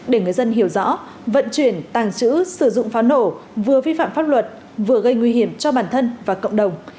để người dân hiểu rõ vận chuyển tàng trữ sử dụng pháo nổ vừa vi phạm pháp luật vừa gây nguy hiểm cho bản thân và cộng đồng